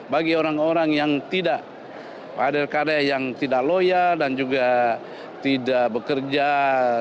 bagi orang orang yang tidak pada kadang yang tidak loyal dan juga tidak bekerja untuk kepentingan rakyat